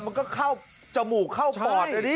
มันก็เข้าจมูกเข้าปอดเลยดิ